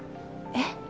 えっ？